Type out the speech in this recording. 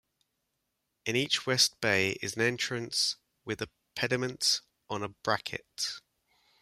In each west bay is an entrance with a pediment on a bracket.